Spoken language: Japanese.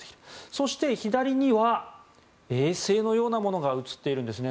そして左には衛星のようなものが映っているんですね。